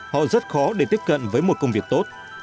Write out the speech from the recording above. họ rất khó để tiếp cận với một công việc tốt